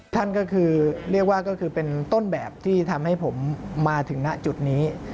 ท่านก็คือเรียกว่าก็คือเป็นต้นแบบที่ทำให้ผมมาถึงณจุดนี้